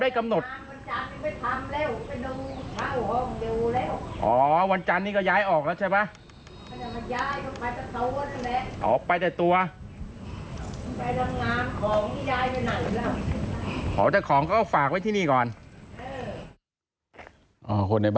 ถ้าสมมุติถ้าเจ๊บก็ยังไม่ได้งานอ่ะอ่ะยังไม่ได้งานแล้ว